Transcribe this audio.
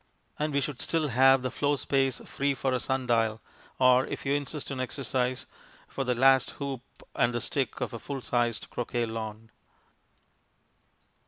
And we should still have the floor space free for a sundial, or if you insist on exercise for the last hoop and the stick of a full sized croquet lawn.